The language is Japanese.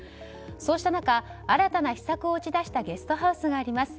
そうした中新たな秘策を打ち出したゲストハウスがあります。